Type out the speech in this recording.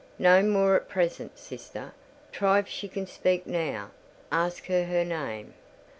"No more at present, sister. Try if she can speak now—ask her her name."